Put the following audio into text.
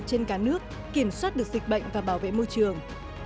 trên cả nước kiểm soát được dịch bệnh và bảo vệ môi trường